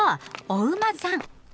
お馬さん。